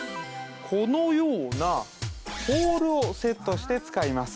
このようなポールをセットして使います